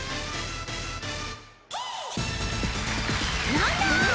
なんだ？